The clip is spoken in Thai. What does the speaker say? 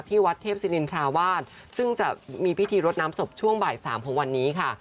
ที่วัดเทพศินินทราวาสซึ่งจะมีพิธีรดน้ำศพช่วงบ่ายสามของวันนี้ค่ะ